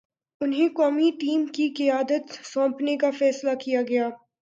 انہیں قومی ٹیم کی قیادت سونپنے کا فیصلہ کیا گیا۔